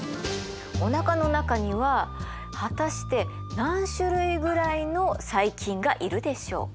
おなかの中には果たして何種類ぐらいの細菌がいるでしょうか？